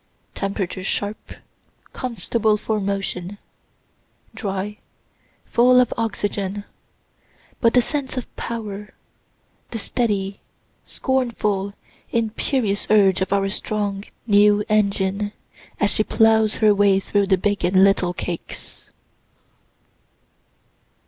Temperature sharp, comfortable for motion, dry, full of oxygen. But the sense of power the steady, scornful, imperious urge of our strong new engine, as she ploughs her way through the big and little cakes.